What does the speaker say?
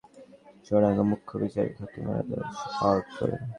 গতকাল রোববার পুলিশ তাঁকে চুয়াডাঙ্গার মুখ্য বিচারিক হাকিমের আদালতে সোপর্দ করে।